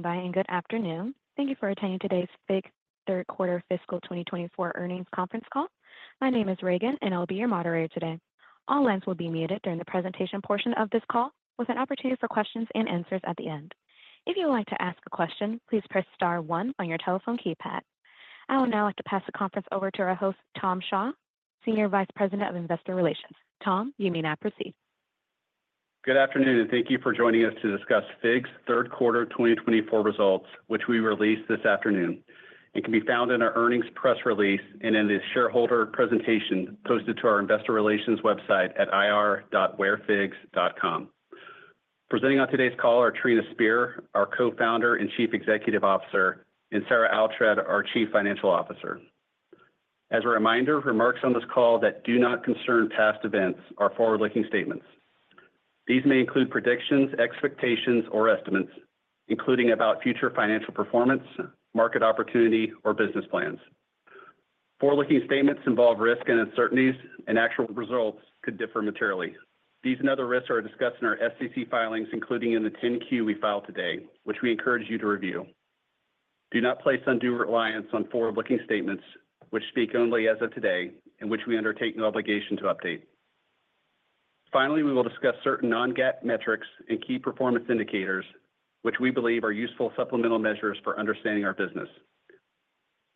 Thank you for standing by, and good afternoon. Thank you for attending today's FIGS Third Quarter Fiscal 2024 earnings conference call. My name is Reagan, and I'll be your moderator today. All lines will be muted during the presentation portion of this call, with an opportunity for questions and answers at the end. If you would like to ask a question, please press star one on your telephone keypad. I would now like to pass the conference over to our host, Tom Shaw, Senior Vice President of Investor Relations. Tom, you may now proceed. Good afternoon, and thank you for joining us to discuss FIGS Third Quarter 2024 results, which we released this afternoon. It can be found in our earnings press release and in the shareholder presentation posted to our Investor Relations website at ir.figs.com. Presenting on today's call are Trina Spear, our Co-Founder and Chief Executive Officer, and Sarah Oughtred, our Chief Financial Officer. As a reminder, remarks on this call that do not concern past events are forward-looking statements. These may include predictions, expectations, or estimates, including about future financial performance, market opportunity, or business plans. Forward-looking statements involve risk and uncertainties, and actual results could differ materially. These and other risks are discussed in our SEC filings, including in the 10-Q we filed today, which we encourage you to review. Do not place undue reliance on forward-looking statements, which speak only as of today, and which we undertake no obligation to update. Finally, we will discuss certain non-GAAP metrics and key performance indicators, which we believe are useful supplemental measures for understanding our business.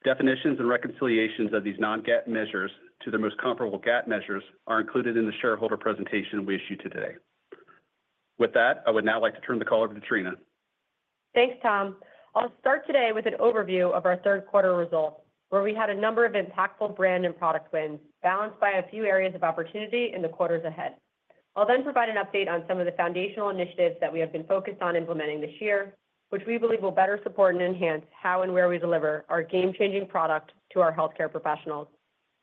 Definitions and reconciliations of these non-GAAP measures to their most comparable GAAP measures are included in the shareholder presentation we issued today. With that, I would now like to turn the call over to Trina. Thanks, Tom. I'll start today with an overview of our third quarter results, where we had a number of impactful brand and product wins, balanced by a few areas of opportunity in the quarters ahead. I'll then provide an update on some of the foundational initiatives that we have been focused on implementing this year, which we believe will better support and enhance how and where we deliver our game-changing product to our healthcare professionals.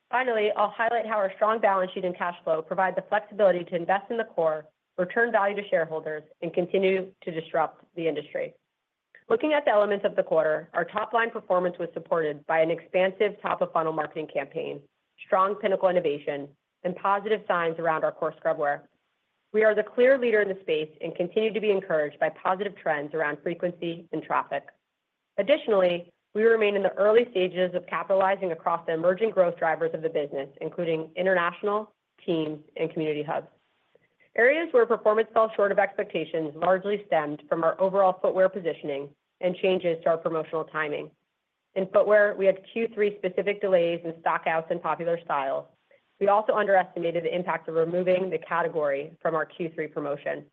Finally, I'll highlight how our strong balance sheet and cash flow provide the flexibility to invest in the core, return value to shareholders, and continue to disrupt the industry. Looking at the elements of the quarter, our top-line performance was supported by an expansive top-of-funnel marketing campaign, strong pinnacle innovation, and positive signs around our core scrubwear. We are the clear leader in the space and continue to be encouraged by positive trends around frequency and traffic. Additionally, we remain in the early stages of capitalizing across the emerging growth drivers of the business, including international, team, and community hubs. Areas where performance fell short of expectations largely stemmed from our overall footwear positioning and changes to our promotional timing. In footwear, we had Q3 specific delays in stockouts and popular styles. We also underestimated the impact of removing the category from our Q3 promotion.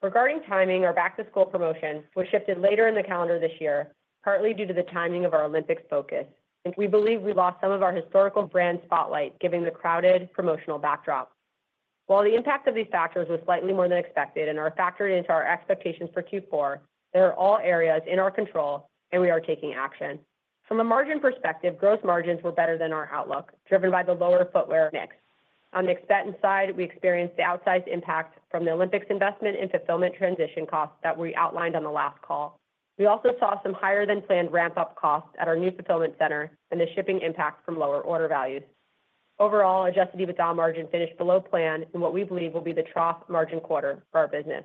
Regarding timing, our back-to-school promotion was shifted later in the calendar this year, partly due to the timing of our Olympics focus, and we believe we lost some of our historical brand spotlight, giving the crowded promotional backdrop. While the impact of these factors was slightly more than expected and are factored into our expectations for Q4, they are all areas in our control, and we are taking action. From a margin perspective, gross margins were better than our outlook, driven by the lower footwear mix. On the expense side, we experienced the outsized impact from the Olympics investment and fulfillment transition costs that we outlined on the last call. We also saw some higher-than-planned ramp-up costs at our new fulfillment center and the shipping impact from lower order values. Overall, Adjusted EBITDA margin finished below plan in what we believe will be the trough margin quarter for our business.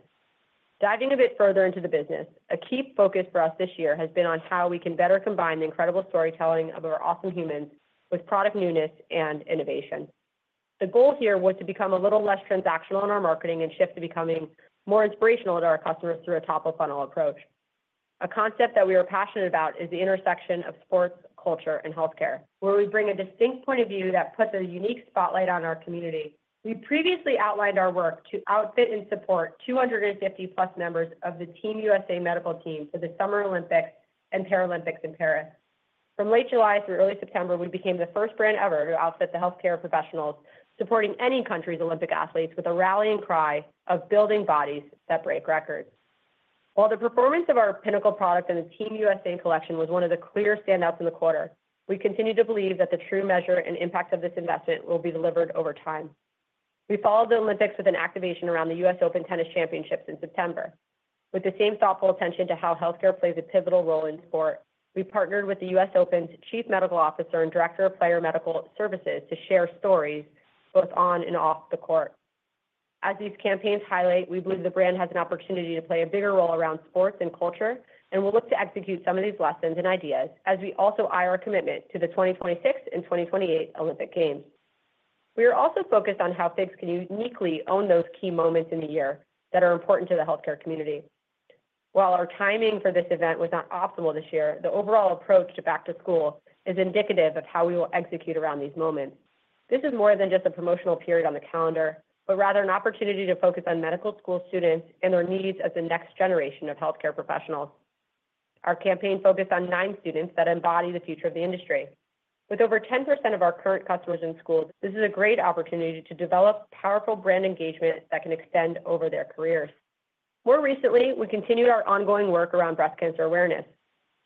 Diving a bit further into the business, a key focus for us this year has been on how we can better combine the incredible storytelling of our Awesome Humans with product newness and innovation. The goal here was to become a little less transactional in our marketing and shift to becoming more inspirational to our customers through a top-of-funnel approach. A concept that we are passionate about is the intersection of sports, culture, and healthcare, where we bring a distinct point of view that puts a unique spotlight on our community. We previously outlined our work to outfit and support 250-plus members of the Team USA medical team for the Summer Olympics and Paralympics in Paris. From late July through early September, we became the first brand ever to outfit the healthcare professionals supporting any country's Olympic athletes with a rallying cry of "Building bodies that break records." While the performance of our pinnacle product and the Team USA collection was one of the clear standouts in the quarter, we continue to believe that the true measure and impact of this investment will be delivered over time. We followed the Olympics with an activation around the U.S. Open Tennis Championships in September. With the same thoughtful attention to how healthcare plays a pivotal role in sport, we partnered with the U.S. Open's Chief Medical Officer and Director of Player Medical Services to share stories both on and off the court. As these campaigns highlight, we believe the brand has an opportunity to play a bigger role around sports and culture, and we'll look to execute some of these lessons and ideas as we also eye our commitment to the 2026 and 2028 Olympic Games. We are also focused on how FIGS can uniquely own those key moments in the year that are important to the healthcare community. While our timing for this event was not optimal this year, the overall approach to back-to-school is indicative of how we will execute around these moments. This is more than just a promotional period on the calendar, but rather an opportunity to focus on medical school students and their needs as the next generation of healthcare professionals. Our campaign focused on nine students that embody the future of the industry. With over 10% of our current customers in schools, this is a great opportunity to develop powerful brand engagement that can extend over their careers. More recently, we continued our ongoing work around breast cancer awareness.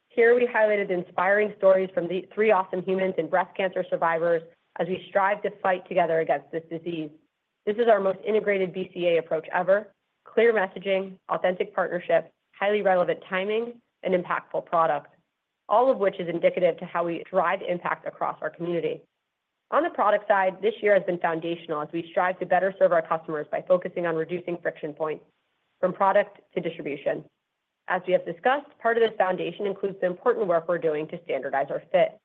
Here, we highlighted inspiring stories from the three Awesome Humans and breast cancer survivors as we strive to fight together against this disease. This is our most integrated BCA approach ever: clear messaging, authentic partnership, highly relevant timing, and impactful product, all of which is indicative to how we drive impact across our community. On the product side, this year has been foundational as we strive to better serve our customers by focusing on reducing friction points from product to distribution. As we have discussed, part of this foundation includes the important work we're doing to standardize our FIT.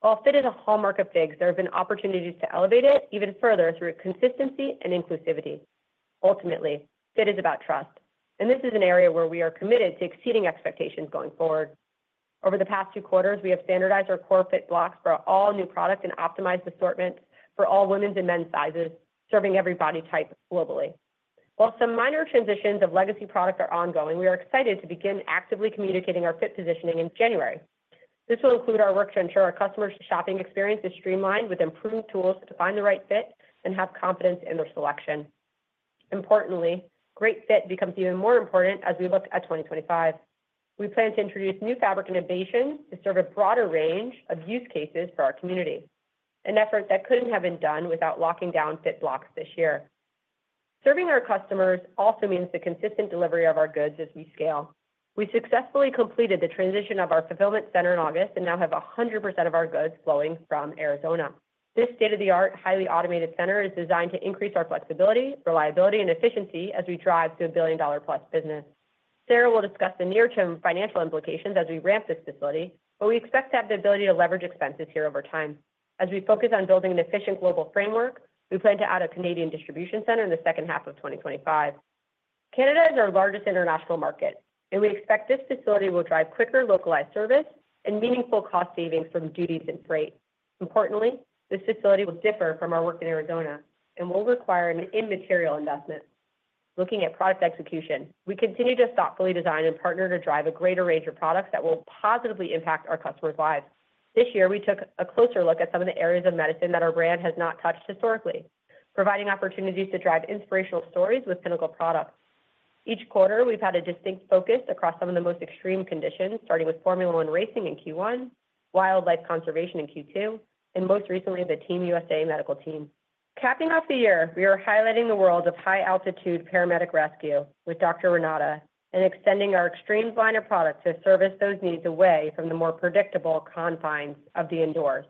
While FIT is a hallmark of FIGS, there have been opportunities to elevate it even further through consistency and inclusivity. Ultimately, FIT is about trust, and this is an area where we are committed to exceeding expectations going forward. Over the past two quarters, we have standardized our core FIT blocks for all new products and optimized assortments for all women's and men's sizes, serving every body type globally. While some minor transitions of legacy product are ongoing, we are excited to begin actively communicating our FIT positioning in January. This will include our work to ensure our customers' shopping experience is streamlined with improved tools to find the right FIT and have confidence in their selection. Importantly, great FIT becomes even more important as we look at 2025. We plan to introduce new fabric innovations to serve a broader range of use cases for our community, an effort that couldn't have been done without locking down FIT blocks this year. Serving our customers also means the consistent delivery of our goods as we scale. We successfully completed the transition of our fulfillment center in August and now have 100% of our goods flowing from Arizona. This state-of-the-art, highly automated center is designed to increase our flexibility, reliability, and efficiency as we drive to a billion-dollar-plus business. Sarah will discuss the near-term financial implications as we ramp this facility, but we expect to have the ability to leverage expenses here over time. As we focus on building an efficient global framework, we plan to add a Canadian distribution center in the second half of 2025. Canada is our largest international market, and we expect this facility will drive quicker localized service and meaningful cost savings from duties and freight. Importantly, this facility will differ from our work in Arizona and will require an immaterial investment. Looking at product execution, we continue to thoughtfully design and partner to drive a greater range of products that will positively impact our customers' lives. This year, we took a closer look at some of the areas of medicine that our brand has not touched historically, providing opportunities to drive inspirational stories with pinnacle products. Each quarter, we've had a distinct focus across some of the most extreme conditions, starting with Formula 1 racing in Q1, wildlife conservation in Q2, and most recently, the Team USA medical team. Capping off the year, we are highlighting the world of high-altitude paramedic rescue with Dr. Renata and extending our Extremes line of products to service those needs away from the more predictable confines of the indoors.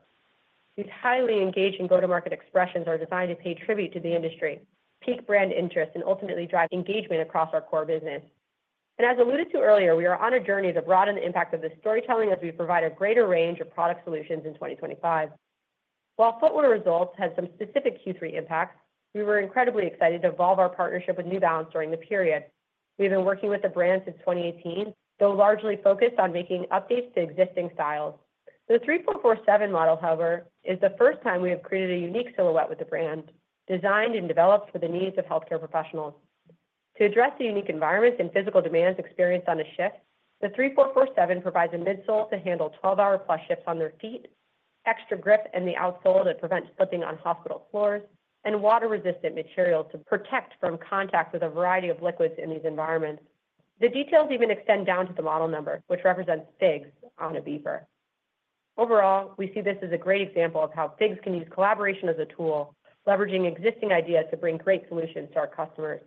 These highly engaging go-to-market expressions are designed to pay tribute to the industry, pique brand interest, and ultimately drive engagement across our core business. And as alluded to earlier, we are on a journey to broaden the impact of the storytelling as we provide a greater range of product solutions in 2025. While footwear results had some specific Q3 impacts, we were incredibly excited to evolve our partnership with New Balance during the period. We have been working with the brand since 2018, though largely focused on making updates to existing styles. The 3447 model, however, is the first time we have created a unique silhouette with the brand, designed and developed for the needs of healthcare professionals. To address the unique environments and physical demands experienced on a shift, the 3447 provides a midsole to handle 12-hour-plus shifts on their feet, extra grip in the outsole that prevents slipping on hospital floors, and water-resistant materials to protect from contact with a variety of liquids in these environments. The details even extend down to the model number, which represents FIGS on a beeper. Overall, we see this as a great example of how FIGS can use collaboration as a tool, leveraging existing ideas to bring great solutions to our customers.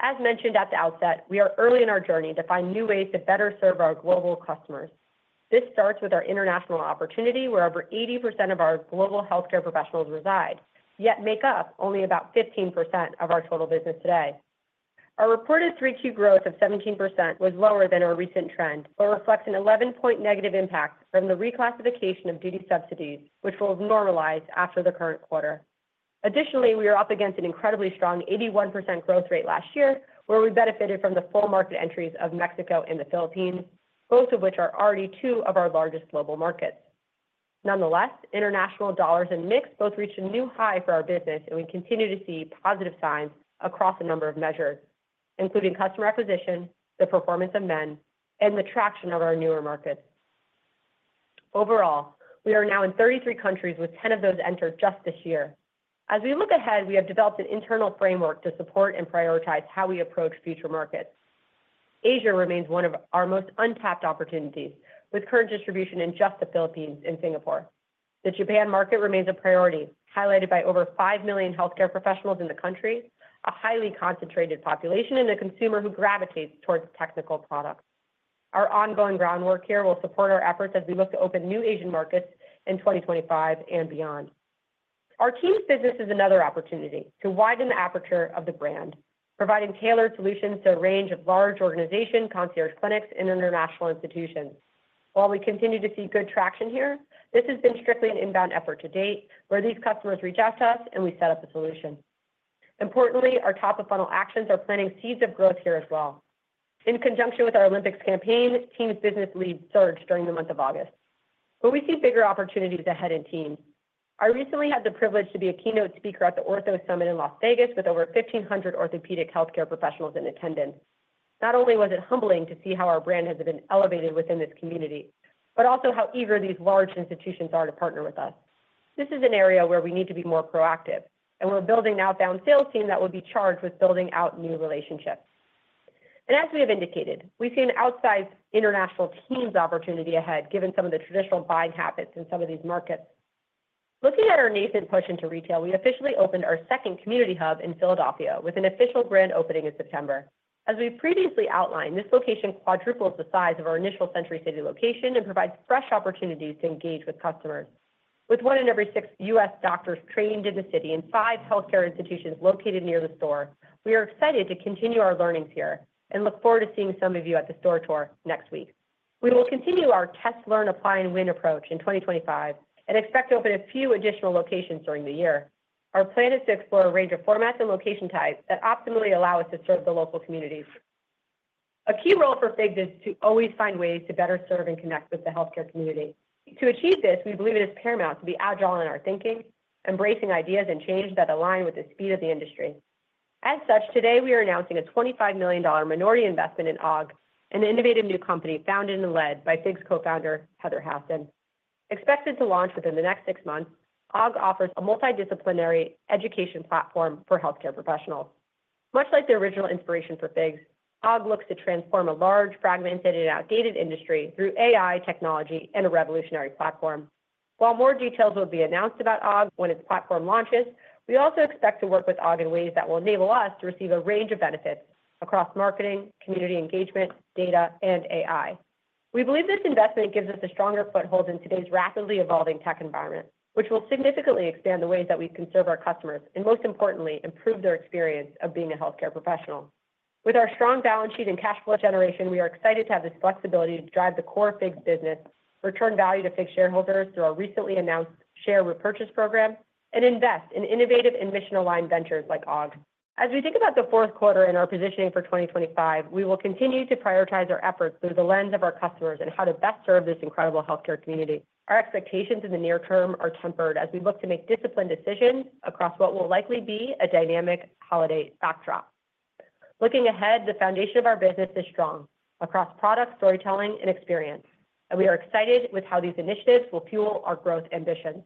As mentioned at the outset, we are early in our journey to find new ways to better serve our global customers. This starts with our international opportunity, where over 80% of our global healthcare professionals reside, yet make up only about 15% of our total business today. Our reported three-quarter growth of 17% was lower than our recent trend, but reflects an 11-point negative impact from the reclassification of duty subsidies, which will normalize after the current quarter. Additionally, we are up against an incredibly strong 81% growth rate last year, where we benefited from the full market entries of Mexico and the Philippines, both of which are already two of our largest global markets. Nonetheless, international dollars and mix both reached a new high for our business, and we continue to see positive signs across a number of measures, including customer acquisition, the performance of men, and the traction of our newer markets. Overall, we are now in 33 countries, with 10 of those entered just this year. As we look ahead, we have developed an internal framework to support and prioritize how we approach future markets. Asia remains one of our most untapped opportunities, with current distribution in just the Philippines and Singapore. The Japan market remains a priority, highlighted by over five million healthcare professionals in the country, a highly concentrated population and a consumer who gravitates towards technical products. Our ongoing groundwork here will support our efforts as we look to open new Asian markets in 2025 and beyond. Our Teams business is another opportunity to widen the aperture of the brand, providing tailored solutions to a range of large organizations, concierge clinics, and international institutions. While we continue to see good traction here, this has been strictly an inbound effort to date, where these customers reach out to us and we set up a solution. Importantly, our top-of-funnel actions are planting seeds of growth here as well. In conjunction with our Olympics campaign, Teams business leads surged during the month of August. But we see bigger opportunities ahead in teams. I recently had the privilege to be a keynote speaker at the Ortho Summit in Las Vegas with over 1,500 orthopedic healthcare professionals in attendance. Not only was it humbling to see how our brand has been elevated within this community, but also how eager these large institutions are to partner with us. This is an area where we need to be more proactive, and we're building an outbound sales team that will be charged with building out new relationships. And as we have indicated, we see an outsized international teams opportunity ahead, given some of the traditional buying habits in some of these markets. Looking at our nascent push into retail, we officially opened our second community hub in Philadelphia with an official brand opening in September. As we previously outlined, this location quadruples the size of our initial Century City location and provides fresh opportunities to engage with customers. With one in every six U.S. doctors trained in the city and five healthcare institutions located near the store, we are excited to continue our learnings here and look forward to seeing some of you at the store tour next week. We will continue our test, learn, apply, and win approach in 2025 and expect to open a few additional locations during the year. Our plan is to explore a range of formats and location types that optimally allow us to serve the local communities. A key role for FIGS is to always find ways to better serve and connect with the healthcare community. To achieve this, we believe it is paramount to be agile in our thinking, embracing ideas and change that align with the speed of the industry. As such, today, we are announcing a $25 million minority investment in Ogg, an innovative new company founded and led by FIGS Co-Founder Heather Hasson. Expected to launch within the next six months, Ogg offers a multidisciplinary education platform for healthcare professionals. Much like the original inspiration for FIGS, Ogg looks to transform a large, fragmented, and outdated industry through AI technology and a revolutionary platform. While more details will be announced about Ogg when its platform launches, we also expect to work with Ogg in ways that will enable us to receive a range of benefits across marketing, community engagement, data, and AI. We believe this investment gives us a stronger foothold in today's rapidly evolving tech environment, which will significantly expand the ways that we can serve our customers and, most importantly, improve their experience of being a healthcare professional. With our strong balance sheet and cash flow generation, we are excited to have this flexibility to drive the core FIGS business, return value to FIGS shareholders through our recently announced share repurchase program, and invest in innovative and mission-aligned ventures like Ogg. As we think about the fourth quarter and our positioning for 2025, we will continue to prioritize our efforts through the lens of our customers and how to best serve this incredible healthcare community. Our expectations in the near term are tempered as we look to make disciplined decisions across what will likely be a dynamic holiday backdrop. Looking ahead, the foundation of our business is strong across product storytelling and experience, and we are excited with how these initiatives will fuel our growth ambitions.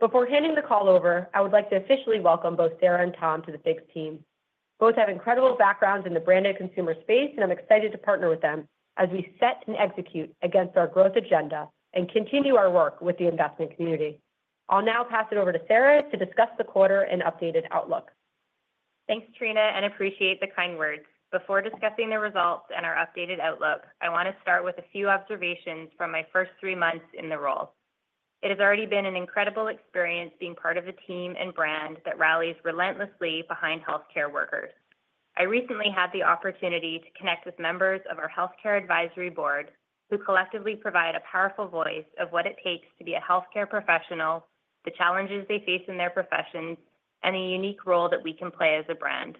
Before handing the call over, I would like to officially welcome both Sarah and Tom to the FIGS team. Both have incredible backgrounds in the branded consumer space, and I'm excited to partner with them as we set and execute against our growth agenda and continue our work with the investment community. I'll now pass it over to Sarah to discuss the quarter and updated outlook. Thanks, Trina, and appreciate the kind words. Before discussing the results and our updated outlook, I want to start with a few observations from my first three months in the role. It has already been an incredible experience being part of a team and brand that rallies relentlessly behind healthcare workers. I recently had the opportunity to connect with members of our healthcare advisory board, who collectively provide a powerful voice of what it takes to be a healthcare professional, the challenges they face in their professions, and the unique role that we can play as a brand.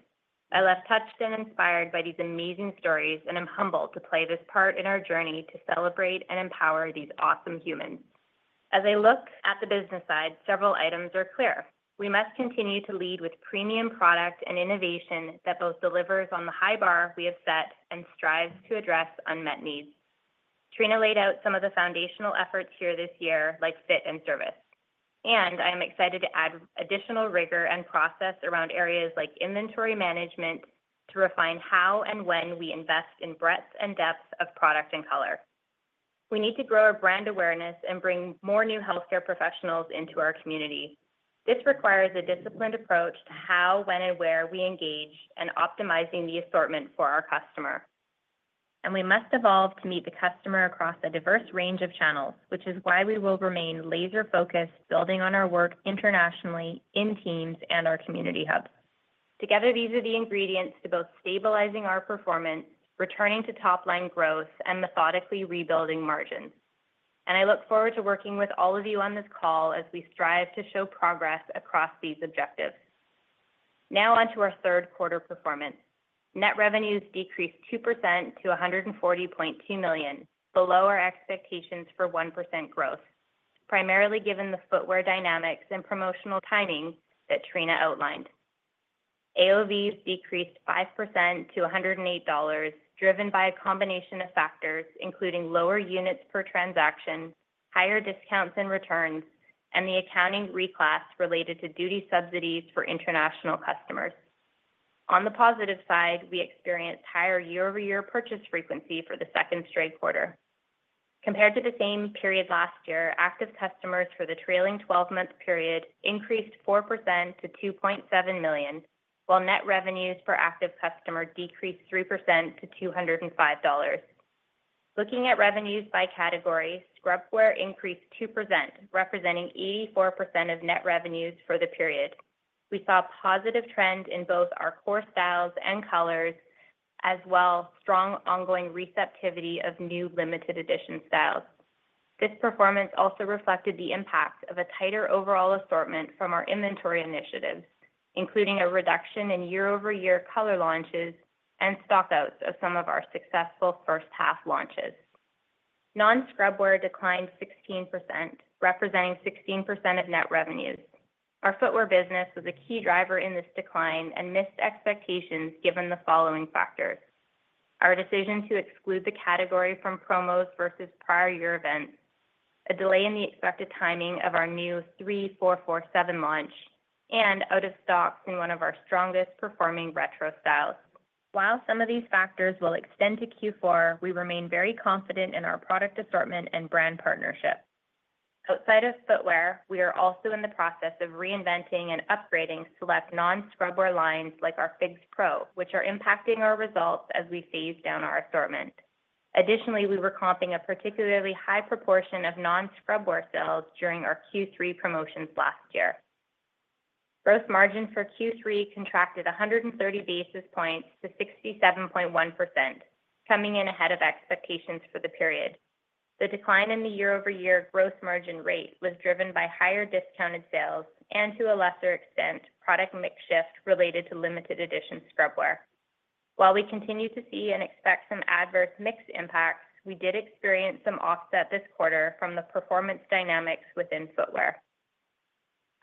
I left touched and inspired by these amazing stories, and I'm humbled to play this part in our journey to celebrate and empower these awesome humans. As I look at the business side, several items are clear. We must continue to lead with premium product and innovation that both delivers on the high bar we have set and strives to address unmet needs. Trina laid out some of the foundational efforts here this year, like FIT and service. I am excited to add additional rigor and process around areas like inventory management to refine how and when we invest in breadth and depth of product and color. We need to grow our brand awareness and bring more new healthcare professionals into our community. This requires a disciplined approach to how, when, and where we engage in optimizing the assortment for our customer. We must evolve to meet the customer across a diverse range of channels, which is why we will remain laser-focused building on our work internationally in Teams and our community hubs. Together, these are the ingredients to both stabilizing our performance, returning to top-line growth, and methodically rebuilding margins. I look forward to working with all of you on this call as we strive to show progress across these objectives. Now on to our third quarter performance. Net revenues decreased 2% to $140.2 million, below our expectations for 1% growth, primarily given the footwear dynamics and promotional timing that Trina outlined. AOVs decreased 5% to $108, driven by a combination of factors, including lower units per transaction, higher discounts and returns, and the accounting reclass related to duty subsidies for international customers. On the positive side, we experienced higher year-over-year purchase frequency for the second straight quarter. Compared to the same period last year, active customers for the trailing 12-month period increased 4% to 2.7 million, while net revenues per active customer decreased 3% to $205. Looking at revenues by category, scrubwear increased 2%, representing 84% of net revenues for the period. We saw a positive trend in both our core styles and colors, as well as strong ongoing receptivity of new limited-edition styles. This performance also reflected the impact of a tighter overall assortment from our inventory initiatives, including a reduction in year-over-year color launches and stockouts of some of our successful first-half launches. Non-scrubwear declined 16%, representing 16% of net revenues. Our footwear business was a key driver in this decline and missed expectations given the following factors: our decision to exclude the category from promos versus prior year events, a delay in the expected timing of our new 3447 launch, and out-of-stocks in one of our strongest-performing retro styles. While some of these factors will extend to Q4, we remain very confident in our product assortment and brand partnership. Outside of footwear, we are also in the process of reinventing and upgrading select non-scrubwear lines like our FIGS Pro, which are impacting our results as we phase down our assortment. Additionally, we were comping a particularly high proportion of non-scrubwear sales during our Q3 promotions last year. Gross margin for Q3 contracted 130 basis points to 67.1%, coming in ahead of expectations for the period. The decline in the year-over-year gross margin rate was driven by higher discounted sales and, to a lesser extent, product mix shift related to limited-edition scrubwear. While we continue to see and expect some adverse mix impacts, we did experience some offset this quarter from the performance dynamics within footwear.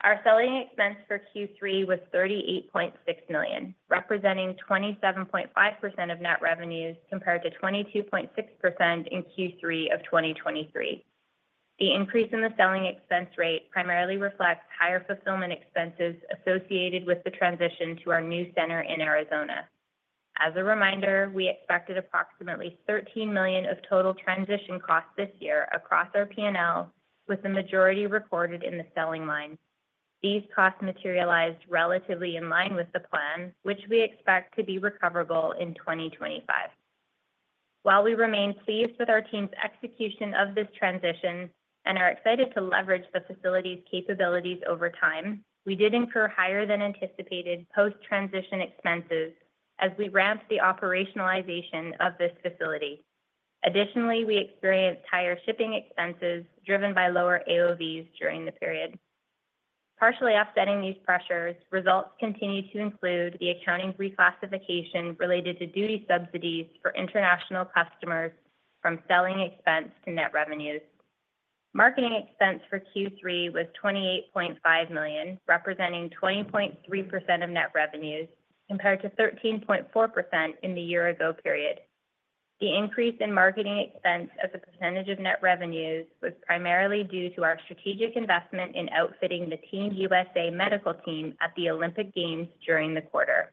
Our selling expense for Q3 was $38.6 million, representing 27.5% of net revenues compared to 22.6% in Q3 of 2023. The increase in the selling expense rate primarily reflects higher fulfillment expenses associated with the transition to our new center in Arizona. As a reminder, we expected approximately $13 million of total transition costs this year across our P&L, with the majority recorded in the selling line. These costs materialized relatively in line with the plan, which we expect to be recoverable in 2025. While we remain pleased with our team's execution of this transition and are excited to leverage the facility's capabilities over time, we did incur higher-than-anticipated post-transition expenses as we ramped the operationalization of this facility. Additionally, we experienced higher shipping expenses driven by lower AOVs during the period. Partially offsetting these pressures, results continue to include the accounting reclassification related to duty subsidies for international customers from selling expense to net revenues. Marketing expense for Q3 was $28.5 million, representing 20.3% of net revenues, compared to 13.4% in the year-ago period. The increase in marketing expense as a percentage of net revenues was primarily due to our strategic investment in outfitting the Team USA medical team at the Olympic Games during the quarter.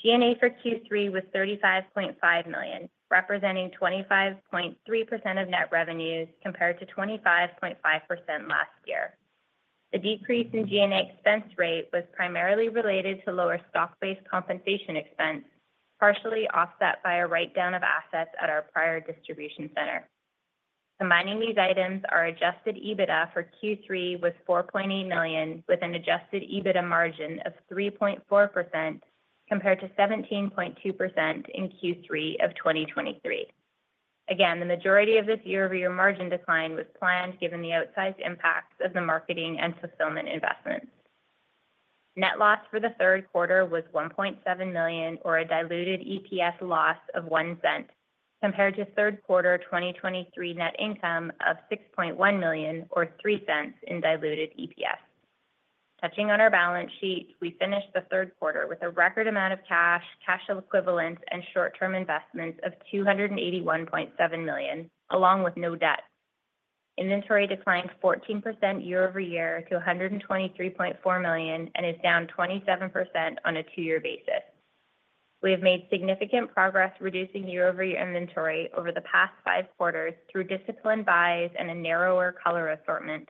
G&A for Q3 was $35.5 million, representing 25.3% of net revenues compared to 25.5% last year. The decrease in G&A expense rate was primarily related to lower stock-based compensation expense, partially offset by a write-down of assets at our prior distribution center. Combining these items, our adjusted EBITDA for Q3 was $4.8 million, with an adjusted EBITDA margin of 3.4% compared to 17.2% in Q3 of 2023. Again, the majority of this year-over-year margin decline was planned given the outsized impacts of the marketing and fulfillment investments. Net loss for the third quarter was $1.7 million, or a diluted EPS loss of $0.01, compared to third quarter 2023 net income of $6.1 million, or $0.03, in diluted EPS. Touching on our balance sheet, we finished the third quarter with a record amount of cash, cash equivalents, and short-term investments of $281.7 million, along with no debt. Inventory declined 14% year-over-year to $123.4 million and is down 27% on a two-year basis. We have made significant progress reducing year-over-year inventory over the past five quarters through disciplined buys and a narrower color assortment.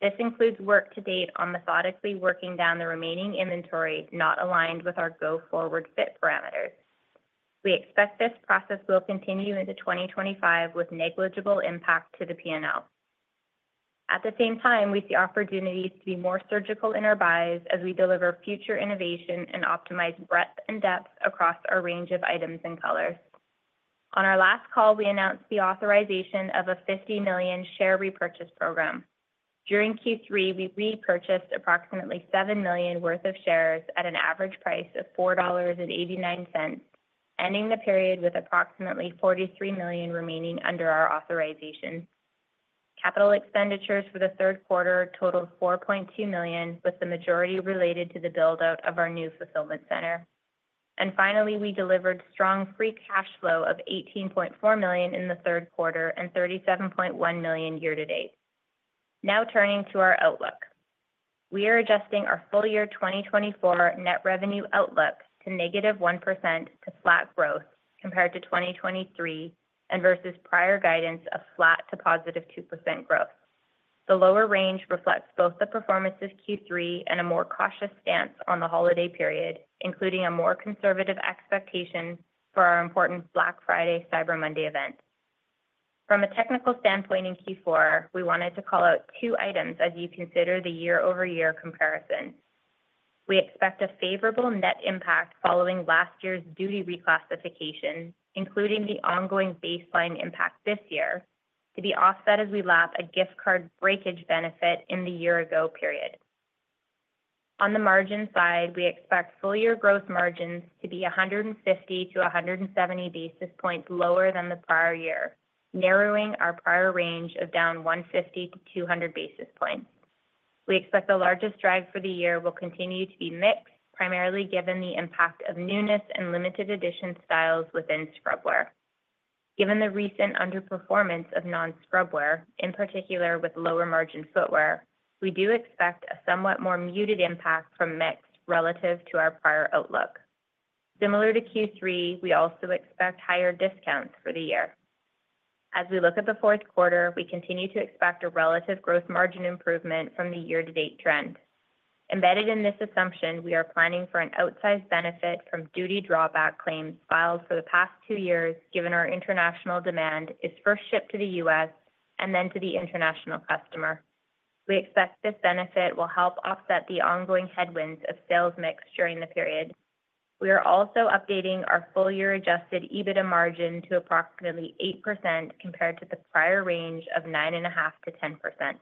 This includes work to date on methodically working down the remaining inventory not aligned with our go-forward FIT parameters. We expect this process will continue into 2025 with negligible impact to the P&L. At the same time, we see opportunities to be more surgical in our buys as we deliver future innovation and optimize breadth and depth across our range of items and colors. On our last call, we announced the authorization of a $50 million share repurchase program. During Q3, we repurchased approximately $7 million worth of shares at an average price of $4.89, ending the period with approximately $43 million remaining under our authorization. Capital expenditures for the third quarter totaled $4.2 million, with the majority related to the build-out of our new fulfillment center. Finally, we delivered strong free cash flow of $18.4 million in the third quarter and $37.1 million year-to-date. Now turning to our outlook, we are adjusting our full year 2024 net revenue outlook to negative 1% to flat growth compared to 2023 and versus prior guidance of flat to positive 2% growth. The lower range reflects both the performance of Q3 and a more cautious stance on the holiday period, including a more conservative expectation for our important Black Friday Cyber Monday event. From a technical standpoint in Q4, we wanted to call out two items as you consider the year-over-year comparison. We expect a favorable net impact following last year's duty reclassification, including the ongoing baseline impact this year, to be offset as we lap a gift card breakage benefit in the year-ago period. On the margin side, we expect full year gross margins to be 150 to 170 basis points lower than the prior year, narrowing our prior range of down 150 to 200 basis points. We expect the largest drag for the year will continue to be mix, primarily given the impact of newness and limited-edition styles within scrubwear. Given the recent underperformance of non-scrubwear, in particular with lower-margin footwear, we do expect a somewhat more muted impact from mix relative to our prior outlook. Similar to Q3, we also expect higher discounts for the year. As we look at the fourth quarter, we continue to expect a relative growth margin improvement from the year-to-date trend. Embedded in this assumption, we are planning for an outsized benefit from duty drawback claims filed for the past two years, given our international demand is first shipped to the U.S. and then to the international customer. We expect this benefit will help offset the ongoing headwinds of sales mix during the period. We are also updating our full-year adjusted EBITDA margin to approximately 8% compared to the prior range of 9.5%-10%.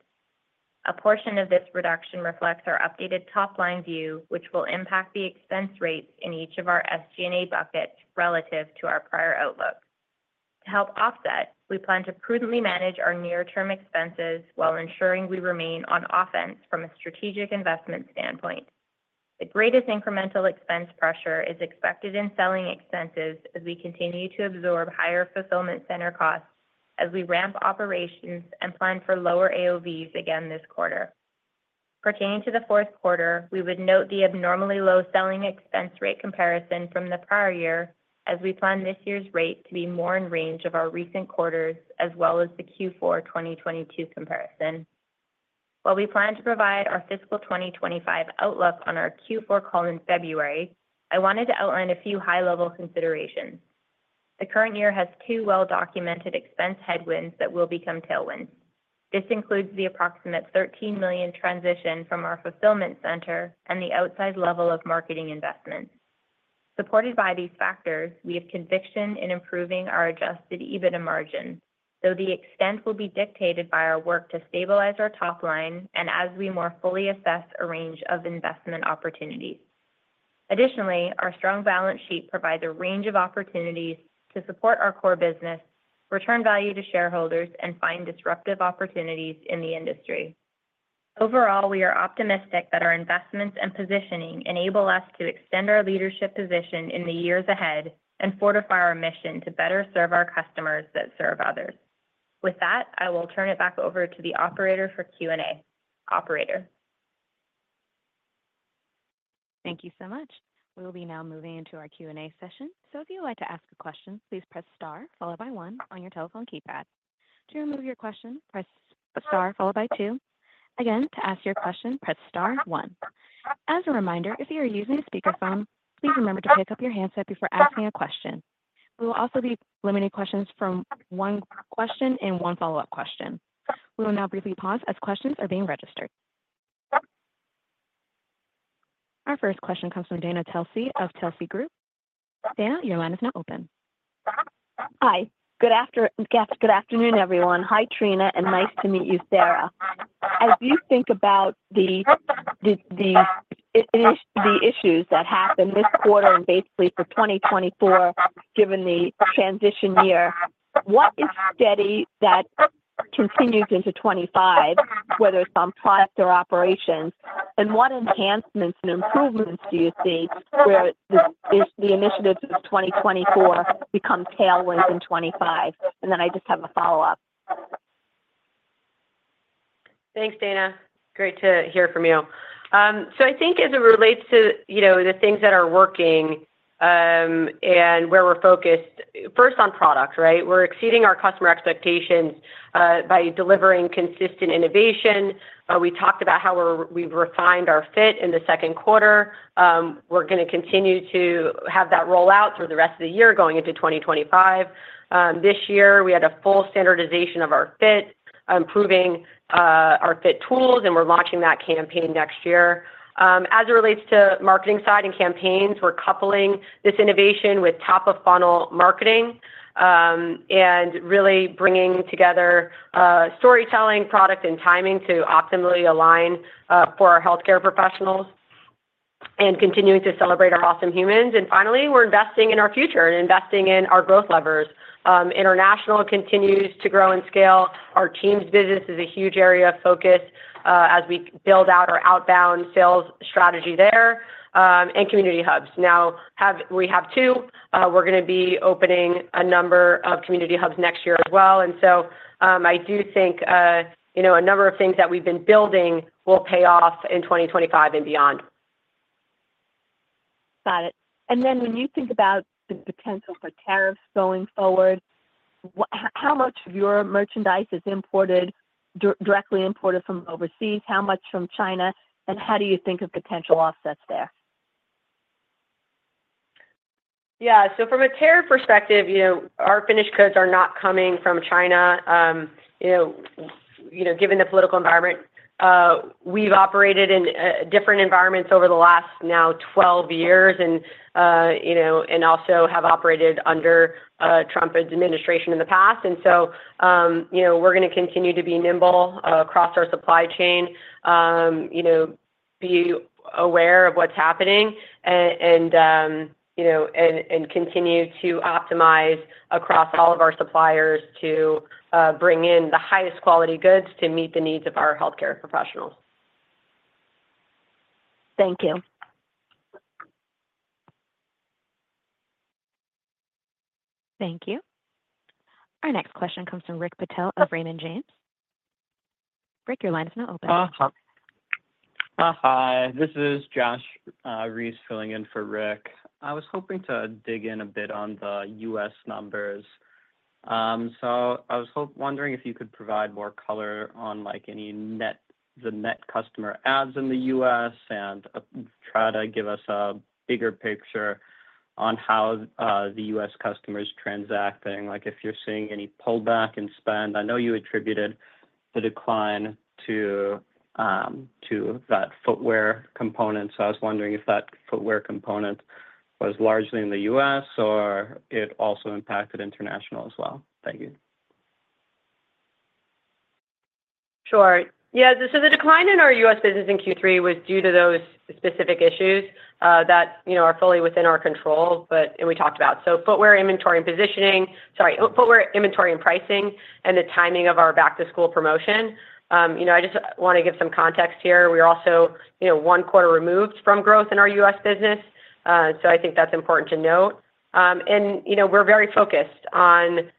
A portion of this reduction reflects our updated top-line view, which will impact the expense rates in each of our SG&A buckets relative to our prior outlook. To help offset, we plan to prudently manage our near-term expenses while ensuring we remain on offense from a strategic investment standpoint. The greatest incremental expense pressure is expected in selling expenses as we continue to absorb higher fulfillment center costs as we ramp operations and plan for lower AOVs again this quarter. Pertaining to the fourth quarter, we would note the abnormally low selling expense rate comparison from the prior year as we plan this year's rate to be more in range of our recent quarters, as well as the Q4 2022 comparison. While we plan to provide our fiscal 2025 outlook on our Q4 call in February, I wanted to outline a few high-level considerations. The current year has two well-documented expense headwinds that will become tailwinds. This includes the approximate $13 million transition from our fulfillment center and the outsized level of marketing investments. Supported by these factors, we have conviction in improving our Adjusted EBITDA margin, though the extent will be dictated by our work to stabilize our top line and as we more fully assess a range of investment opportunities. Additionally, our strong balance sheet provides a range of opportunities to support our core business, return value to shareholders, and find disruptive opportunities in the industry. Overall, we are optimistic that our investments and positioning enable us to extend our leadership position in the years ahead and fortify our mission to better serve our customers that serve others. With that, I will turn it back over to the operator for Q&A. Thank you so much. We will now be moving into our Q&A session. So if you would like to ask a question, please press star followed by one on your telephone keypad. To remove your question, press star followed by two. Again, to ask your question, press star one. As a reminder, if you are using a speakerphone, please remember to pick up your handset before asking a question. We will also be limiting questions from one question and one follow-up question. We will now briefly pause as questions are being registered. Our first question comes from Dana Telsey of Telsey Advisory Group. Dana, your line is now open. Hi. Good afternoon, everyone. Hi, Trina, and nice to meet you, Sarah. As you think about the issues that happened this quarter and basically for 2024, given the transition year, what is steady that continues into 2025, whether it's on product or operations? And what enhancements and improvements do you see where the initiatives of 2024 become tailwinds in 2025? And then I just have a follow-up. Thanks, Dana. Great to hear from you. So I think as it relates to the things that are working and where we're focused, first on product, right? We're exceeding our customer expectations by delivering consistent innovation. We talked about how we've refined our FIT in the second quarter. We're going to continue to have that roll out through the rest of the year going into 2025. This year, we had a full standardization of our FIT, improving our FIT tools, and we're launching that campaign next year. As it relates to marketing side and campaigns, we're coupling this innovation with top-of-funnel marketing and really bringing together storytelling, product, and timing to optimally align for our healthcare professionals and continuing to celebrate our awesome humans. And finally, we're investing in our future and investing in our growth levers. International continues to grow and scale. Our Teams business is a huge area of focus as we build out our outbound sales strategy there and community hubs. Now, we have two. We are going to be opening a number of community hubs next year as well. I do think a number of things that we have been building will pay off in 2025 and beyond. Got it. And then when you think about the potential for tariffs going forward, how much of your merchandise is imported, directly imported from overseas? How much from China? And how do you think of potential offsets there? Yeah. So from a tariff perspective, our finished goods are not coming from China. Given the political environment, we have operated in different environments over the last now 12 years and also have operated under Trump administration in the past. And so we're going to continue to be nimble across our supply chain, be aware of what's happening, and continue to optimize across all of our suppliers to bring in the highest quality goods to meet the needs of our healthcare professionals. Thank you. Thank you. Our next question comes from Rick Patel of Raymond James. Rick, your line is now open. Hi. This is Josh Reiss filling in for Rick. I was hoping to dig in a bit on the U.S. numbers. So I was wondering if you could provide more color on the net customer adds in the U.S. and try to give us a bigger picture on how the U.S. customers are transacting. If you're seeing any pullback in spend, I know you attributed the decline to that footwear component. So I was wondering if that footwear component was largely in the U.S. or it also impacted international as well. Thank you. Sure. Yeah. So the decline in our U.S. business in Q3 was due to those specific issues that are fully within our control, and we talked about, so footwear inventory and positioning, sorry, footwear inventory and pricing, and the timing of our back-to-school promotion. I just want to give some context here. We're also one quarter removed from growth in our U.S. business, so I think that's important to note, and we're very focused on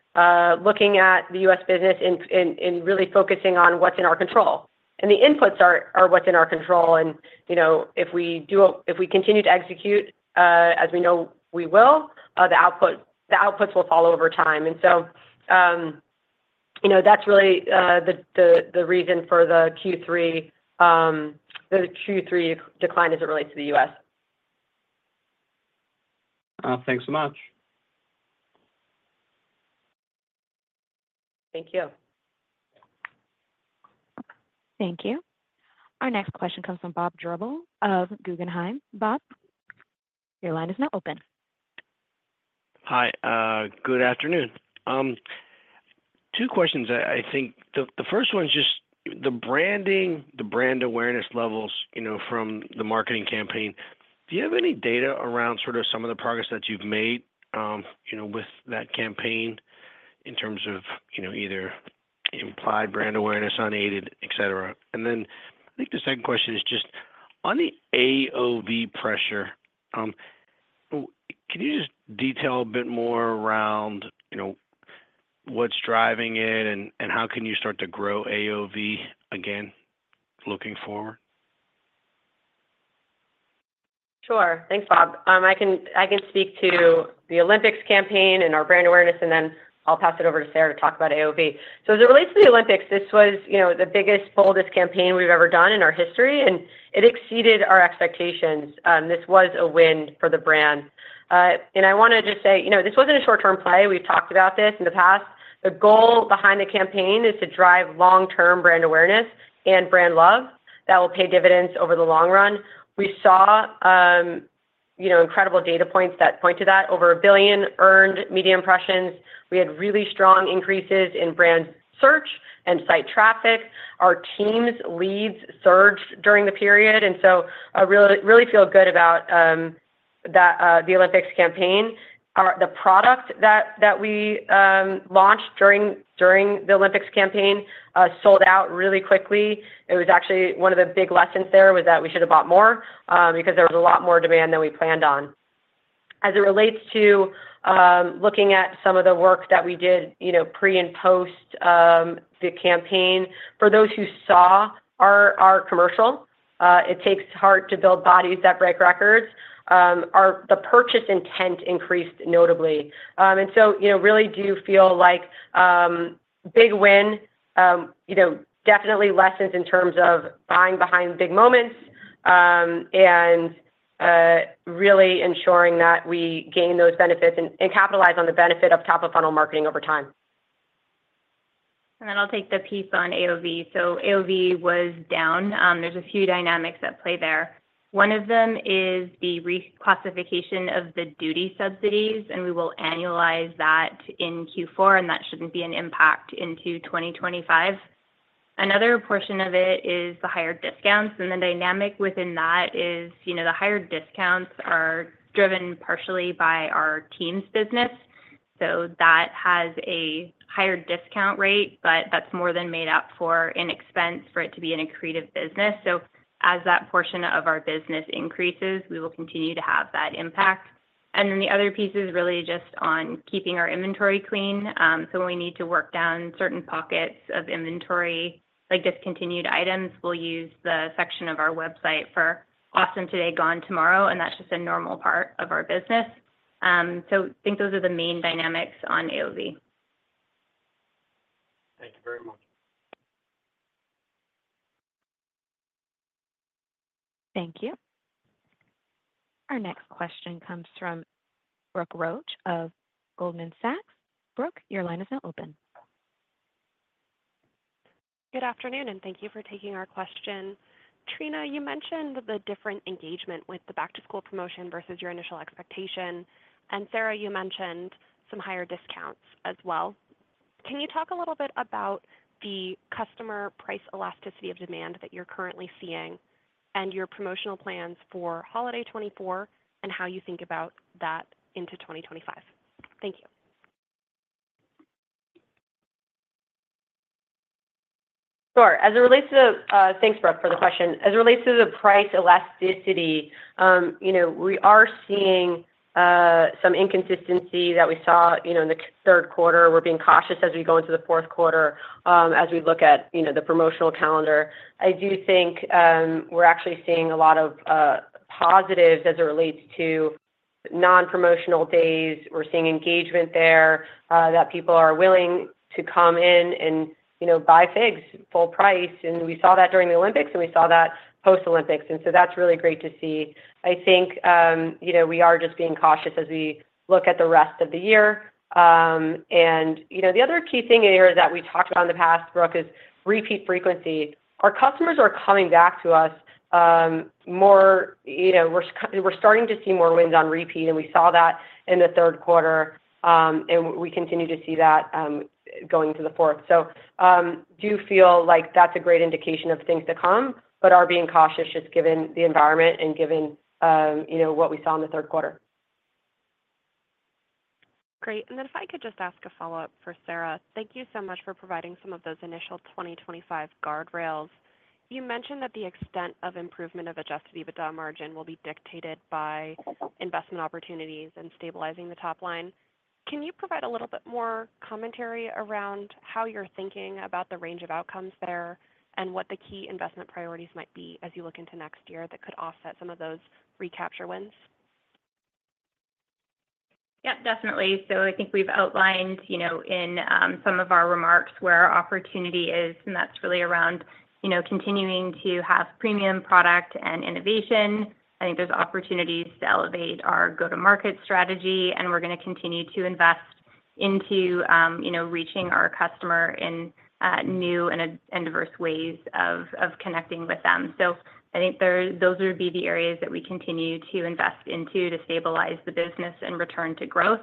looking at the U.S. business and really focusing on what's in our control, and the inputs are what's in our control, and if we continue to execute, as we know we will, the outputs will follow over time, and so that's really the reason for the Q3 decline as it relates to the U.S. Thanks so much. Thank you. Thank you. Our next question comes from Bob Drbul of Guggenheim. Bob, your line is now open. Hi. Good afternoon. Two questions, I think. The first one's just the brand awareness levels from the marketing campaign. Do you have any data around sort of some of the progress that you've made with that campaign in terms of either implied brand awareness, unaided, etc.? And then I think the second question is just on the AOV pressure, can you just detail a bit more around what's driving it and how can you start to grow AOV again looking forward? Sure. Thanks, Bob. I can speak to the Olympics campaign and our brand awareness, and then I'll pass it over to Sarah to talk about AOV. So as it relates to the Olympics, this was the biggest, boldest campaign we've ever done in our history, and it exceeded our expectations. This was a win for the brand. And I want to just say this wasn't a short-term play. We've talked about this in the past. The goal behind the campaign is to drive long-term brand awareness and brand love that will pay dividends over the long run. We saw incredible data points that point to that. Over a billion earned media impressions. We had really strong increases in brand search and site traffic. Our Teams leads surged during the period. And so I really feel good about the Olympics campaign. The product that we launched during the Olympics campaign sold out really quickly. It was actually one of the big lessons there was that we should have bought more because there was a lot more demand than we planned on. As it relates to looking at some of the work that we did pre and post the campaign, for those who saw our commercial, it takes heart to build bodies that break records. The purchase intent increased notably. And so I really do feel like the big win definitely lies in terms of buying behind big moments and really ensuring that we gain those benefits and capitalize on the benefit of top-of-funnel marketing over time. And then I'll take the piece on AOV. So AOV was down. There's a few dynamics that play there. One of them is the reclassification of the duty subsidies, and we will annualize that in Q4, and that shouldn't be an impact into 2025. Another portion of it is the higher discounts. And the dynamic within that is the higher discounts are driven partially by our Teams business. So that has a higher discount rate, but that's more than made up for in expense for it to be an accretive business. So as that portion of our business increases, we will continue to have that impact. And then the other piece is really just on keeping our inventory clean. So when we need to work down certain pockets of inventory, like discontinued items, we'll use the section of our website for Awesome Today, Gone Tomorrow. And that's just a normal part of our business. So I think those are the main dynamics on AOV. Thank you very much. Thank you. Our next question comes from Brooke Roach of Goldman Sachs. Brooke, your line is now open. Good afternoon, and thank you for taking our question. Trina, you mentioned the different engagement with the back-to-school promotion versus your initial expectation. And Sarah, you mentioned some higher discounts as well. Can you talk a little bit about the customer price elasticity of demand that you're currently seeing and your promotional plans for holiday 2024 and how you think about that into 2025? Thank you. Sure. As it relates to. Thanks, Brooke, for the question. As it relates to the price elasticity, we are seeing some inconsistency that we saw in the third quarter. We're being cautious as we go into the fourth quarter as we look at the promotional calendar. I do think we're actually seeing a lot of positives as it relates to non-promotional days. We're seeing engagement there that people are willing to come in and buy FIGS full price. And we saw that during the Olympics, and we saw that post-Olympics. And so that's really great to see. I think we are just being cautious as we look at the rest of the year. And the other key thing here that we talked about in the past, Brooke, is repeat frequency. Our customers are coming back to us more. We're starting to see more wins on repeat, and we saw that in the third quarter, and we continue to see that going to the fourth. So I do feel like that's a great indication of things to come, but we are being cautious just given the environment and given what we saw in the third quarter. Great. And then if I could just ask a follow-up for Sarah. Thank you so much for providing some of those initial 2025 guardrails. You mentioned that the extent of improvement of adjusted EBITDA margin will be dictated by investment opportunities and stabilizing the top line. Can you provide a little bit more commentary around how you're thinking about the range of outcomes there and what the key investment priorities might be as you look into next year that could offset some of those recapture wins? Yeah, definitely. So I think we've outlined in some of our remarks where our opportunity is, and that's really around continuing to have premium product and innovation. I think there's opportunities to elevate our go-to-market strategy, and we're going to continue to invest into reaching our customer in new and diverse ways of connecting with them. So I think those would be the areas that we continue to invest into to stabilize the business and return to growth.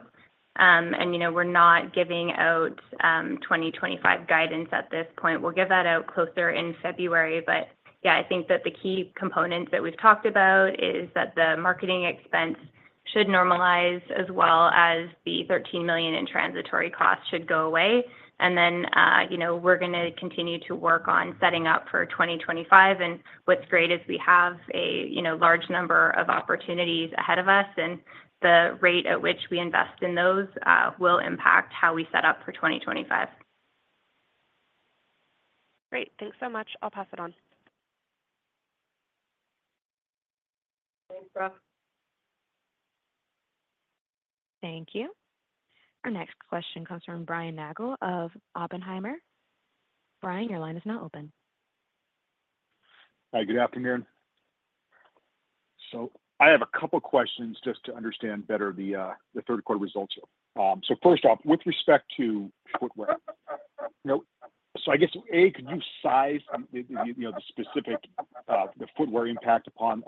And we're not giving out 2025 guidance at this point. We'll give that out closer in February. But yeah, I think that the key components that we've talked about is that the marketing expense should normalize as well as the $13 million in transitory costs should go away. And then we're going to continue to work on setting up for 2025. And what's great is we have a large number of opportunities ahead of us, and the rate at which we invest in those will impact how we set up for 2025. Great. Thanks so much. I'll pass it on. Thanks, Brooke. Thank you. Our next question comes from Brian Nagel of Oppenheimer. Brian, your line is now open. Hi. Good afternoon. So I have a couple of questions just to understand better the third quarter results. So first off, with respect to footwear, so I guess, A, could you size the specific footwear impact upon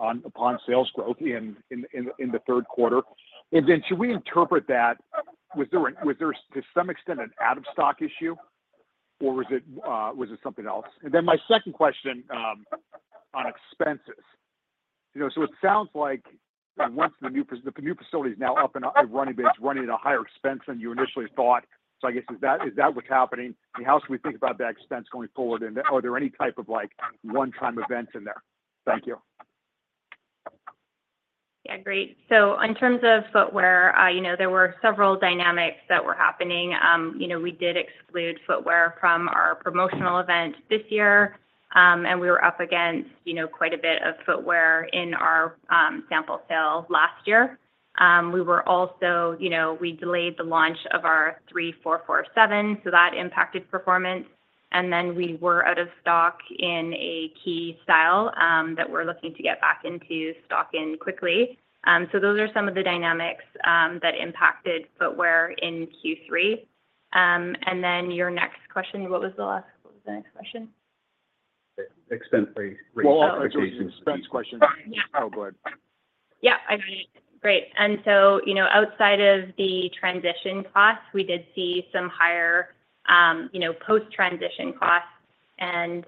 sales growth in the third quarter? And then, should we interpret that? Was there to some extent an out-of-stock issue, or was it something else? And then my second question on expenses. So it sounds like once the new facility is now up and running, but it's running at a higher expense than you initially thought. So I guess is that what's happening? And how should we think about that expense going forward? And are there any type of one-time events in there? Thank you. Yeah. Great. So in terms of footwear, there were several dynamics that were happening. We did exclude footwear from our promotional event this year, and we were up against quite a bit of footwear in our sample sale last year. We were also - we delayed the launch of our 3447, so that impacted performance. And then we were out of stock in a key style that we're looking to get back into stock in quickly. So those are some of the dynamics that impacted footwear in Q3. And then your next question, what was the last—what was the next question? Expense rate expectations. Expense question. Oh, go ahead. Yeah. I got it. Great. And so outside of the transition costs, we did see some higher post-transition costs. And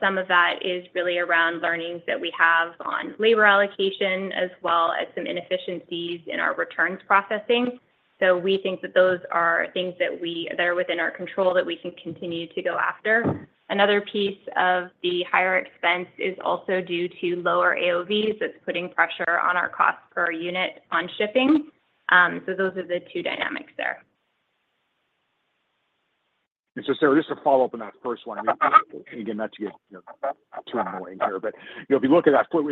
some of that is really around learnings that we have on labor allocation as well as some inefficiencies in our returns processing. So we think that those are things that are within our control that we can continue to go after. Another piece of the higher expense is also due to lower AOVs that's putting pressure on our cost per unit on shipping. So those are the two dynamics there. And so Sarah, just to follow up on that first one, and again, not to get too annoying here, but if you look at that, could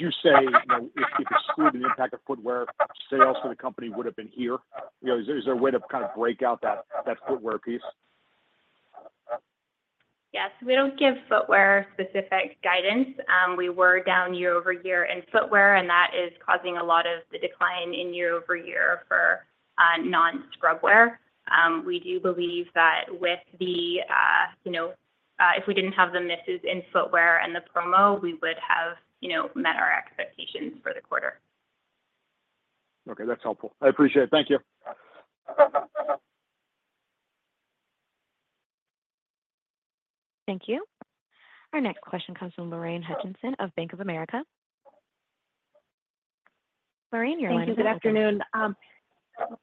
you say if you exclude the impact of footwear sales for the company would have been here? Is there a way to kind of break out that footwear piece? Yes. We don't give footwear-specific guidance. We were down year-over-year in footwear, and that is causing a lot of the decline in year-over-year for non-scrubwear. We do believe that with the, if we didn't have the misses in footwear and the promo, we would have met our expectations for the quarter. Okay. That's helpful. I appreciate it. Thank you. Thank you. Our next question comes from Lorraine Hutchinson of Bank of America. Lorraine, your line is now open. Thank you. Good afternoon.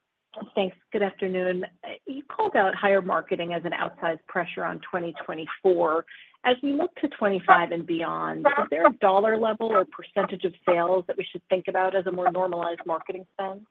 Thanks. Good afternoon. You called out higher marketing as an outsized pressure on 2024. As we look to 2025 and beyond, is there a dollar level or percentage of sales that we should think about as a more normalized marketing spend?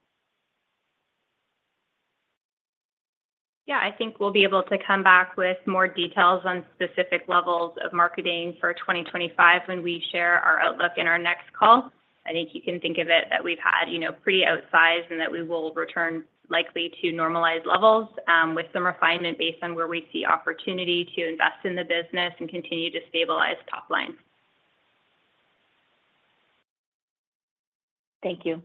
Yeah. I think we'll be able to come back with more details on specific levels of marketing for 2025 when we share our outlook in our next call. I think you can think of it that we've had pretty outsized and that we will return likely to normalized levels with some refinement based on where we see opportunity to invest in the business and continue to stabilize top line. Thank you.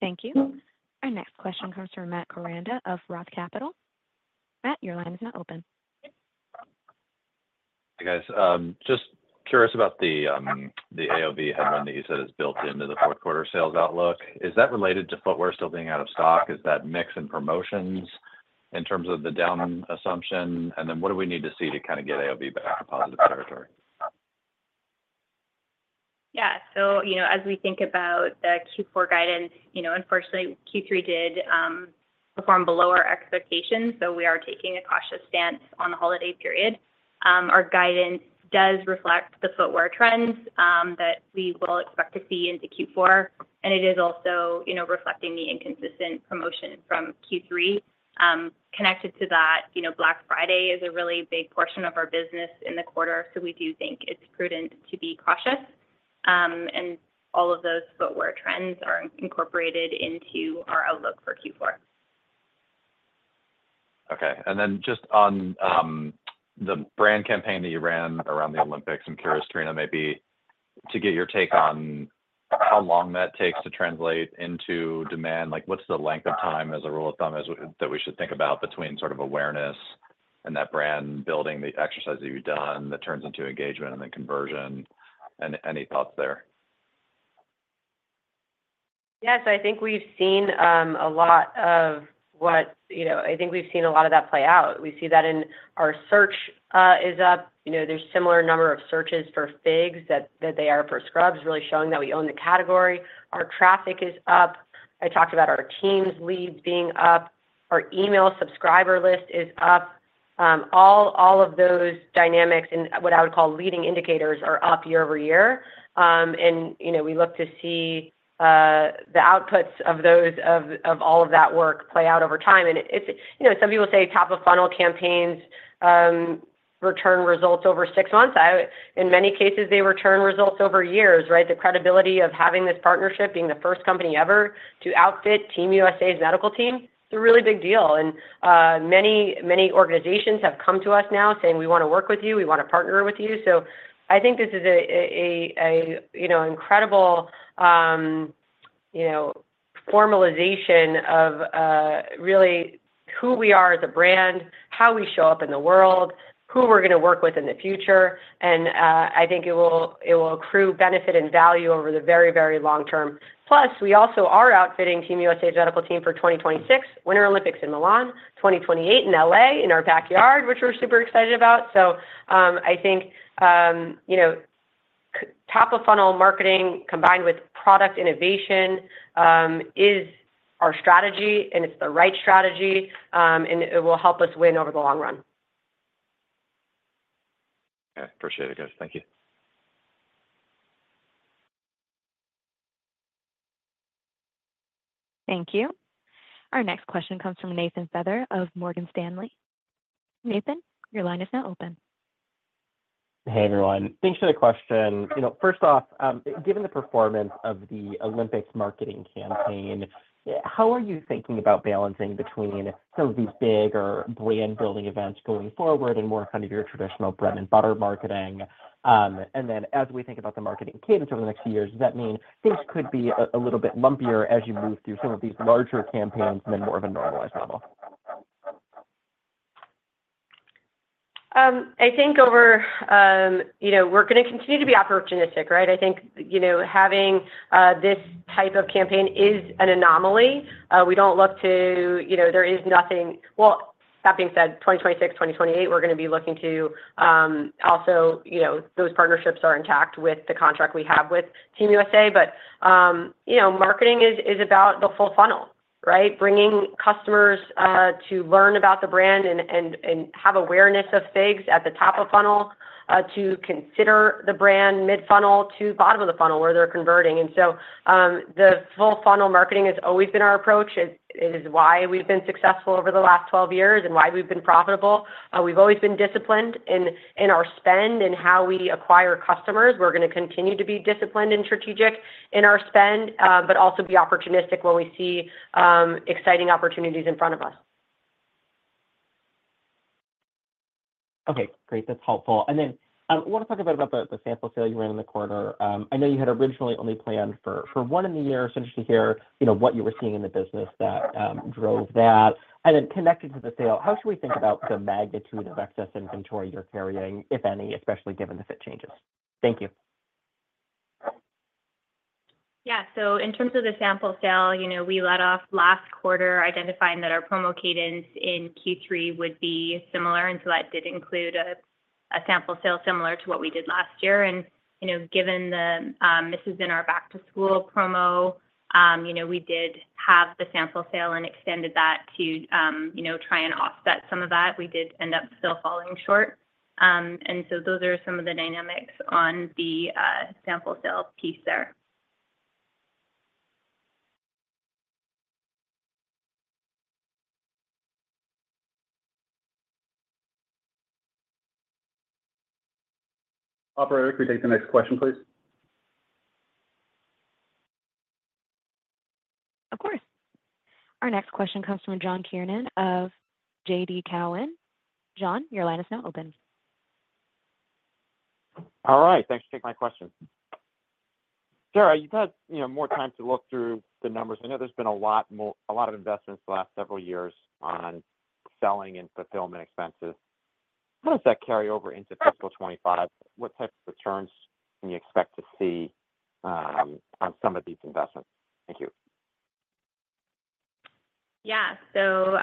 Thank you. Our next question comes from Matt Koranda of Roth Capital. Matt, your line is now open. Hey, guys. Just curious about the AOV headline that you said is built into the fourth quarter sales outlook. Is that related to footwear still being out of stock? Is that mix in promotions in terms of the down assumption? And then what do we need to see to kind of get AOV back to positive territory? Yeah. So as we think about the Q4 guidance, unfortunately, Q3 did perform below our expectations, so we are taking a cautious stance on the holiday period. Our guidance does reflect the footwear trends that we will expect to see into Q4, and it is also reflecting the inconsistent promotion from Q3. Connected to that, Black Friday is a really big portion of our business in the quarter, so we do think it's prudent to be cautious. And all of those footwear trends are incorporated into our outlook for Q4. Okay. And then just on the brand campaign that you ran around the Olympics, I'm curious, Trina, maybe to get your take on how long that takes to translate into demand. What's the length of time, as a rule of thumb, that we should think about between sort of awareness and that brand building, the exercise that you've done that turns into engagement and then conversion? Any thoughts there? Yeah. So I think we've seen a lot of that play out. We see that our search is up. There's a similar number of searches for FIGS that there are for scrubs, really showing that we own the category. Our traffic is up. I talked about our Teams leads being up. Our email subscriber list is up. All of those dynamics and what I would call leading indicators are up year-over-year. And we look to see the outputs of all of that work play out over time. And some people say top-of-funnel campaigns return results over six months. In many cases, they return results over years, right? The credibility of having this partnership, being the first company ever to outfit Team USA's medical team, it's a really big deal. And many organizations have come to us now saying, "We want to work with you. We want to partner with you." So I think this is an incredible formalization of really who we are as a brand, how we show up in the world, who we're going to work with in the future. And I think it will accrue benefit and value over the very, very long term. Plus, we also are outfitting Team USA's medical team for 2026 Winter Olympics in Milan, 2028 in LA in our backyard, which we're super excited about. So I think top-of-funnel marketing combined with product innovation is our strategy, and it's the right strategy, and it will help us win over the long run. Okay. Appreciate it, guys. Thank you. Thank you. Our next question comes from Nathan Feather of Morgan Stanley. Nathan, your line is now open. Hey, everyone. Thanks for the question. First off, given the performance of the Olympics marketing campaign, how are you thinking about balancing between some of these bigger brand-building events going forward and more kind of your traditional bread-and-butter marketing? And then as we think about the marketing cadence over the next few years, does that mean things could be a little bit lumpier as we move through some of these larger campaigns and then more of a normalized model? I think over we're going to continue to be opportunistic, right? I think having this type of campaign is an anomaly. We don't look to. Well, that being said, 2026, 2028, we're going to be looking to. Also those partnerships are intact with the contract we have with Team USA, but marketing is about the full funnel, right? Bringing customers to learn about the brand and have awareness of FIGS at the top of funnel to consider the brand mid-funnel to bottom of the funnel where they're converting, and so the full funnel marketing has always been our approach. It is why we've been successful over the last 12 years and why we've been profitable. We've always been disciplined in our spend and how we acquire customers. We're going to continue to be disciplined and strategic in our spend, but also be opportunistic when we see exciting opportunities in front of us. Okay. Great. That's helpful. And then I want to talk a bit about the sample sale you ran in the quarter. I know you had originally only planned for one in the year. So interested to hear what you were seeing in the business that drove that. And then connected to the sale, how should we think about the magnitude of excess inventory you're carrying, if any, especially given the FIGS changes? Thank you. Yeah. So in terms of the sample sale, we laid out last quarter identifying that our promo cadence in Q3 would be similar. And so that did include a sample sale similar to what we did last year. And given this is in our back-to-school promo, we did have the sample sale and extended that to try and offset some of that. We did end up still falling short. And so those are some of the dynamics on the sample sale piece there. Operator, could you take the next question, please? Of course. Our next question comes from John Kernan of TD Cowen. John, your line is now open. All right. Thanks for taking my question. Sarah, you've had more time to look through the numbers. I know there's been a lot of investments the last several years on selling and fulfillment expenses. How does that carry over into fiscal 2025? What type of returns can you expect to see on some of these investments? Thank you. Yeah. So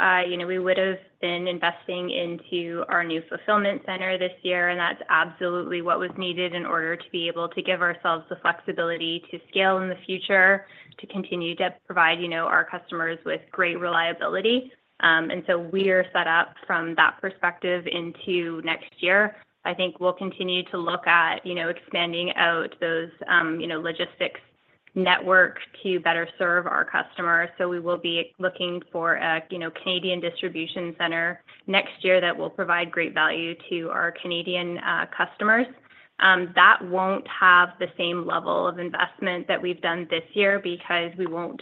we would have been investing into our new fulfillment center this year, and that's absolutely what was needed in order to be able to give ourselves the flexibility to scale in the future, to continue to provide our customers with great reliability. And so we are set up from that perspective into next year. I think we'll continue to look at expanding out those logistics networks to better serve our customers. So we will be looking for a Canadian distribution center next year that will provide great value to our Canadian customers. That won't have the same level of investment that we've done this year because we won't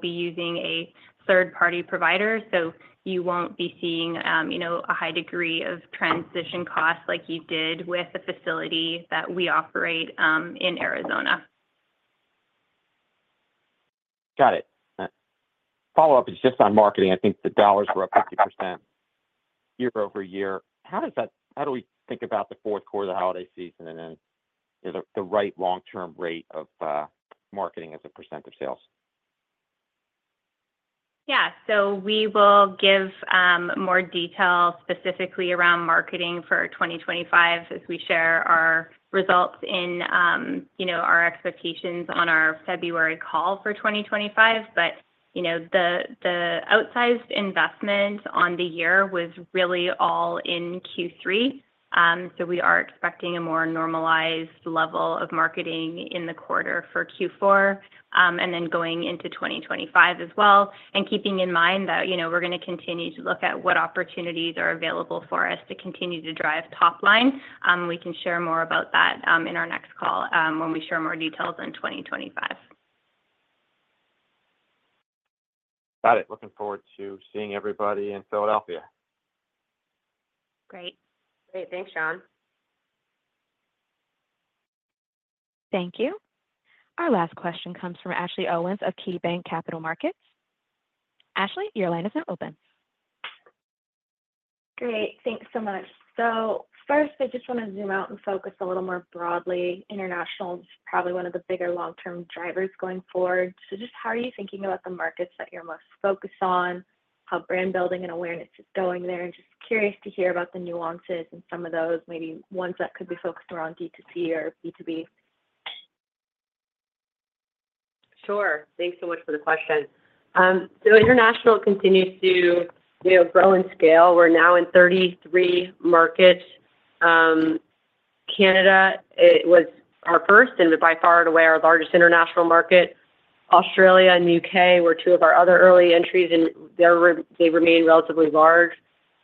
be using a third-party provider. So you won't be seeing a high degree of transition costs like you did with the facility that we operate in Arizona. Got it. Follow-up is just on marketing. I think the dollars were up 50% year-over-year. How do we think about the fourth quarter of the holiday season and then the right long-term rate of marketing as a % of sales? Yeah. So we will give more detail specifically around marketing for 2025 as we share our results in our expectations on our February call for 2025. But the outsized investment on the year was really all in Q3. So we are expecting a more normalized level of marketing in the quarter for Q4 and then going into 2025 as well. And keeping in mind that we're going to continue to look at what opportunities are available for us to continue to drive top line. We can share more about that in our next call when we share more details in 2025. Got it. Looking forward to seeing everybody in Philadelphia. Great. Great. Thanks, John. Thank you. Our last question comes from Ashley Owens of KeyBanc Capital Markets. Ashley, your line is now open. Great. Thanks so much. So first, I just want to zoom out and focus a little more broadly. International is probably one of the bigger long-term drivers going forward. So just how are you thinking about the markets that you're most focused on, how brand building and awareness is going there? And just curious to hear about the nuances in some of those, maybe ones that could be focused around D2C or B2B. Sure. Thanks so much for the question. So international continues to grow and scale. We're now in 33 markets. Canada was our first and by far and away our largest international market. Australia and the U.K. were two of our other early entries, and they remain relatively large.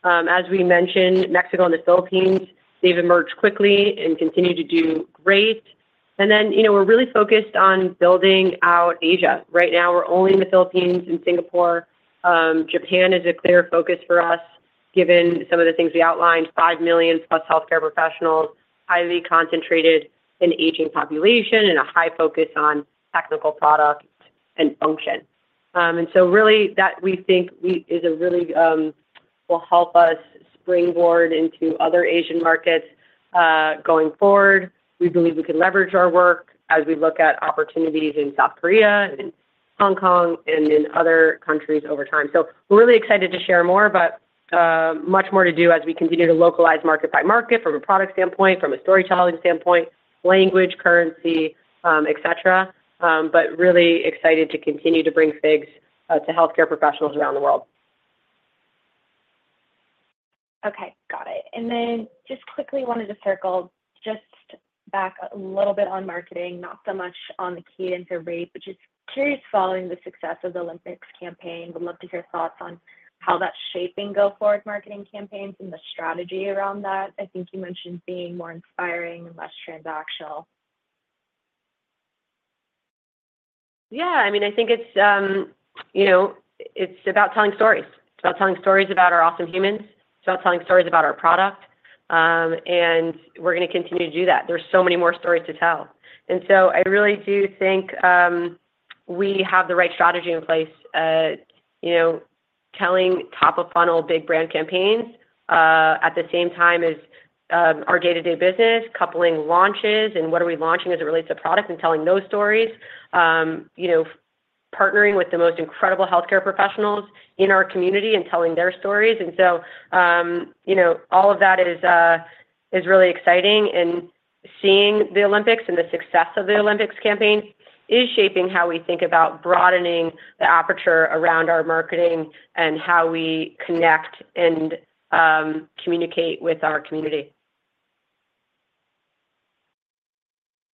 As we mentioned, Mexico and the Philippines, they've emerged quickly and continue to do great. And then we're really focused on building out Asia. Right now, we're only in the Philippines and Singapore. Japan is a clear focus for us given some of the things we outlined: 5 million plus healthcare professionals, highly concentrated in aging population, and a high focus on technical product and function. And so really, that we think is a really will help us springboard into other Asian markets going forward. We believe we can leverage our work as we look at opportunities in South Korea and Hong Kong and in other countries over time. So we're really excited to share more, but much more to do as we continue to localize market by market from a product standpoint, from a storytelling standpoint, language, currency, etc. But really excited to continue to bring FIGS to healthcare professionals around the world. Okay. Got it. And then just quickly wanted to circle just back a little bit on marketing, not so much on the cadence or rate, but just curious following the success of the Olympics campaign. Would love to hear thoughts on how that's shaping go-forward marketing campaigns and the strategy around that? I think you mentioned being more inspiring and less transactional. Yeah. I mean, I think it's about telling stories. It's about telling stories about our Awesome Humans. It's about telling stories about our product. And we're going to continue to do that. There's so many more stories to tell. And so I really do think we have the right strategy in place, telling top-of-funnel big brand campaigns at the same time as our day-to-day business, coupling launches and what are we launching as it relates to product and telling those stories, partnering with the most incredible healthcare professionals in our community and telling their stories. And so all of that is really exciting. And seeing the Olympics and the success of the Olympics campaign is shaping how we think about broadening the aperture around our marketing and how we connect and communicate with our community.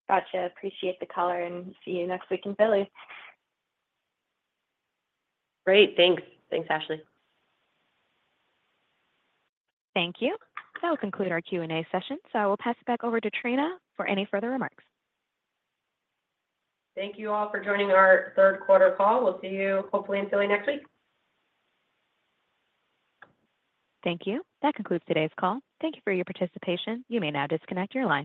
Gotcha. Appreciate the color and see you next week in Philly. Great. Thanks. Thanks, Ashley. Thank you. That will conclude our Q&A session. So I will pass it back over to Trina for any further remarks. Thank you all for joining our third-quarter call. We'll see you hopefully in Philly next week. Thank you. That concludes today's call. Thank you for your participation. You may now disconnect your line.